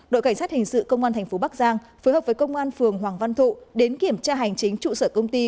đội cảnh sát hình sự công an thành phố bắc giang phối hợp với công an phường hoàng văn thụ đến kiểm tra hành chính trụ sở công ty